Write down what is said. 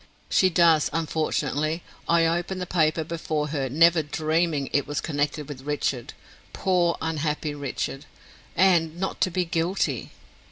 "She does, unfortunately. I opened the paper before her, never dreaming it was connected with Richard poor, unhappy Richard! and not to be guilty."